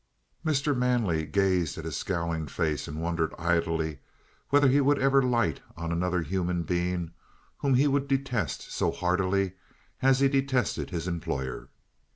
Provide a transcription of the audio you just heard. Mr. Manley gazed at his scowling face and wondered idly whether he would ever light on another human being whom he would detest so heartily as he detested his employer.